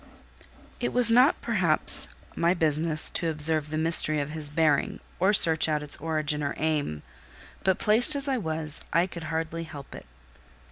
It was not perhaps my business to observe the mystery of his bearing, or search out its origin or aim; but, placed as I was, I could hardly help it.